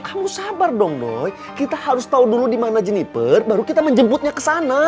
kamu sabar dong boy kita harus tahu dulu di mana jeniper baru kita menjemputnya ke sana